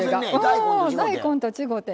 大根と違うて。